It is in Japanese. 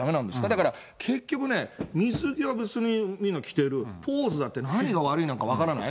だから結局ね、水着は別にみんな着てる、ポーズだって何が悪いのか分からない。